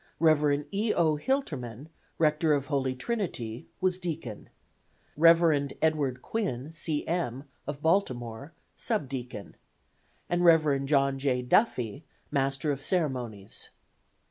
Rev. E. O. Hiltermann, rector of Holy Trinity, was deacon; Rev. Edward Quinn, C. M., of Baltimore, sub deacon, and Rev. John J. Duffy, master of ceremonies.